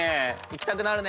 行きたくなる。